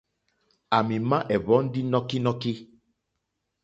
À mì má ɛ̀hwɔ̀ndí nɔ́kínɔ́kí.